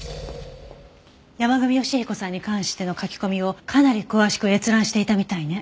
山神芳彦さんに関しての書き込みをかなり詳しく閲覧していたみたいね。